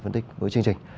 phân tích với chương trình